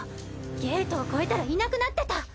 ゲートを越えたらいなくなってた。